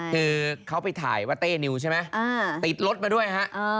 คือเขาไปถ่ายว่าเต้นิวใช่ไหมติดรถมาด้วยฮะ